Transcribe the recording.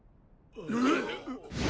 えっ⁉